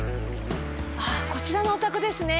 こちらのお宅ですね。